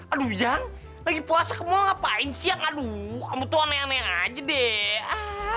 aduh yang lagi puasa kemol ngapain sih yang aduh kamu tuh aneh aneh aja deh